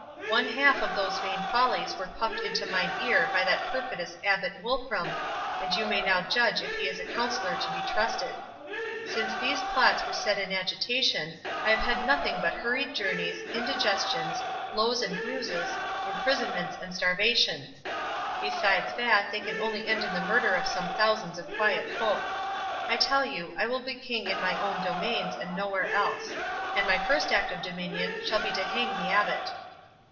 One half of those vain follies were puffed into mine ear by that perfidious Abbot Wolfram, and you may now judge if he is a counsellor to be trusted. Since these plots were set in agitation, I have had nothing but hurried journeys, indigestions, blows and bruises, imprisonments and starvation; besides that they can only end in the murder of some thousands of quiet folk. I tell you, I will be king in my own domains, and nowhere else; and my first act of dominion shall be to hang the Abbot."